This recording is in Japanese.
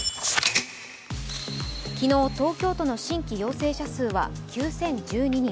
昨日、東京都の新規陽性者数は９０１２人。